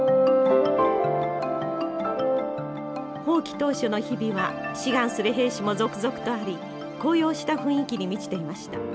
「蜂起当初の日々は志願する兵士も続々とあり高揚した雰囲気に満ちていました。